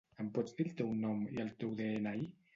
Em pots dir el teu nom i el teu de-ena-i?